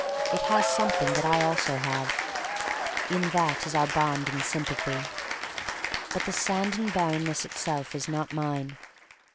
It has something that I also have. In that is our bond of sympathy. But the sand and barrenness itself is not mine.